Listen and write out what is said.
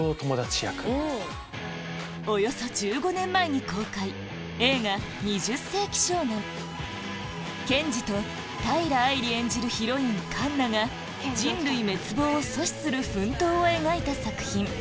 およそ１５年前に公開ケンジと平愛梨演じるヒロインカンナが人類滅亡を阻止する奮闘を描いた作品